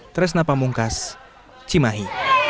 teresna pamungkas cimahi